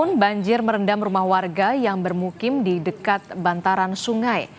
namun banjir merendam rumah warga yang bermukim di dekat bantaran sungai